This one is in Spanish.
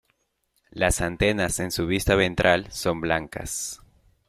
Las antenas en su vista ventral son blancas.